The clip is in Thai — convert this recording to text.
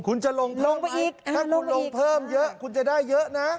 คุณจะลงเพิ่มไปอีกถ้าคุณลงเพิ่มเยอะคุณจะได้เยอะนะ